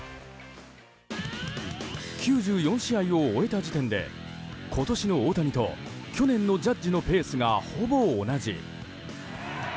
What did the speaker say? ９４試合を終えた時点で今年の大谷と去年のジャッジのペースがほぼ同じ。